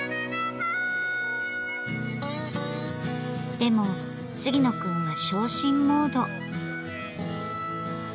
でも杉野くんは傷心モード。